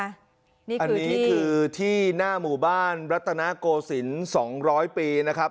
อันนี้คือที่หน้าหมู่บ้านรัตนโกศิลป์๒๐๐ปีนะครับ